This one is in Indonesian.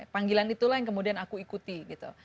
panggilan itulah yang kemudian aku ikuti gitu